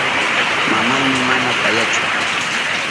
Mamayni mana payachu.